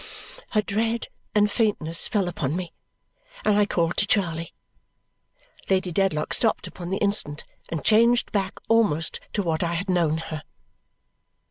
A dread and faintness fell upon me, and I called to Charley. Lady Dedlock stopped upon the instant and changed back almost to what I had known her.